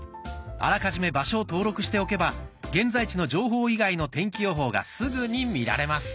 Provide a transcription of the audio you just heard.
あらかじめ場所を登録しておけば現在地の情報以外の天気予報がすぐに見られます。